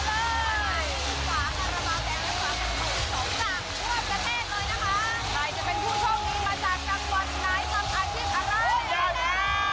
ไปจะเป็นผู้โชคดีมาจากกลางวันหลายสำคับชีวิตอะไร